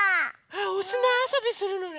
おすなあそびするのね。